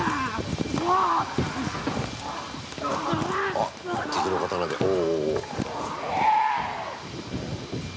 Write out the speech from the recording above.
あっ、敵の刀で、お、お。